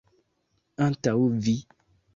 Antaŭ vi?